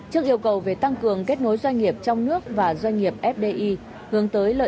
trước yêu cầu về tăng cường kết nối doanh nghiệp trong nước và doanh nghiệp fdi